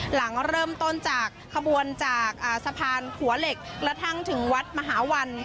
หลังเริ่มต้นจากขบวนจากสะพานขัวเหล็กกระทั่งถึงวัดมหาวัน